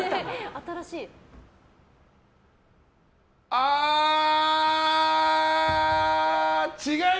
新しい。